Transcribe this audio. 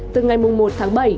từ ngày một tháng bảy